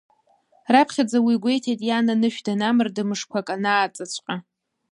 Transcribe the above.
Раԥхьаӡа уи гәеиҭеит иан анышә данамарда мышқәак анааҵыҵәҟьа.